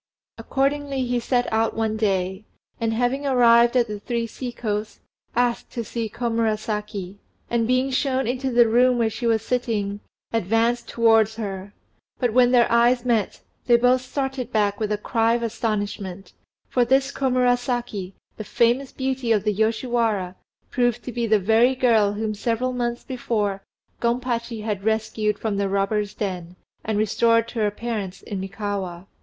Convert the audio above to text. Accordingly he set out one day, and having arrived at "The Three Sea coasts," asked to see Komurasaki; and being shown into the room where she was sitting, advanced towards her; but when their eyes met, they both started back with a cry of astonishment, for this Komurasaki, the famous beauty of the Yoshiwara, proved to be the very girl whom several months before Gompachi had rescued from the robbers' den, and restored to her parents in Mikawa.